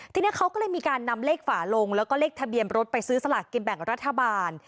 ทีนี้เขาก็เลยมีการนำเลขฝาลงแล้วก็เลขทะเบียนรถไปซื้อสลากกินแบ่งรัฐบาล